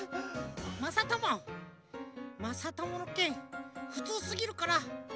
まさともまさとものけんふつうすぎるからかえといたよ。